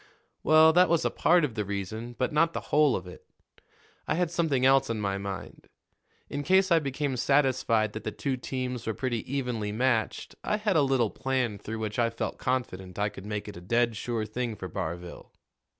"Well, that was a part of the reason, but not the whole of it. I had something else on my mind. In case I became satisfied that the two teams were pretty evenly matched, I had a little plan through which I felt confident I could make it a dead sure thing for Barville.